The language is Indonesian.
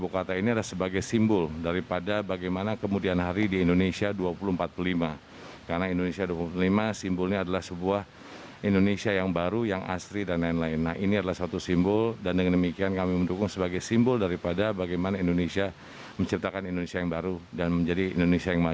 ketua kadin arsyad rashid presiden ri joko widodo